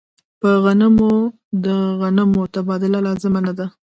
په غنمو د غنمو تبادله لازمه نه ده.